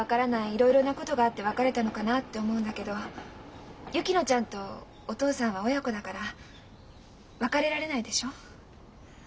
いろいろなことがあって別れたのかなって思うんだけど薫乃ちゃんとお父さんは親子だから別れられないでしょ？